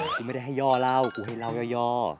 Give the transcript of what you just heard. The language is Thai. กูไม่ได้ให้ย่อเล่ากูให้เล่าย่อ